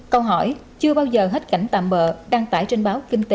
câu hỏi chưa bao giờ hết cảnh tạm bỡ đăng tải trên báo kinh tế